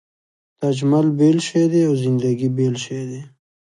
تجمل بېل شی دی او زندګي بېل شی دی.